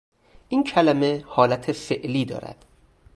این کلمه حالت فعلی دارد